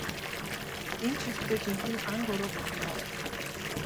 Энэ ч ёстой жинхэнэ ан гөрөө болно доо.